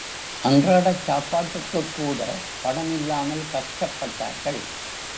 அன்றாடச் சாப்பாட்டுக்குக்கூட பணம் இல்லாமல் கஷ்டப்பட்டார்கள்.